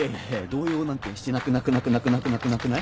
動揺なんてしてなくなくなくなくなくなくない？